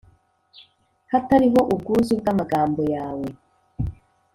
hatariho ubwuzu bw'amagambo yawe